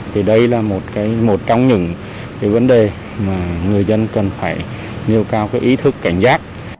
thì đây là một trong những cái vấn đề mà người dân cần phải nêu cao cái ý thức cảnh giác